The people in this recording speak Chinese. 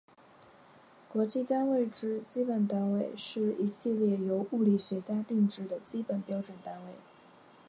国际单位制基本单位是一系列由物理学家订定的基本标准单位。